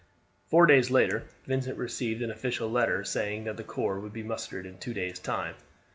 Four days later Vincent received an official letter saying that the corps would be mustered in two days' time.